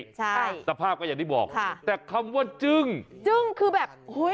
ใช่สภาพก็อย่างที่บอกค่ะแต่คำว่าจึ้งจึ้งคือแบบอุ้ย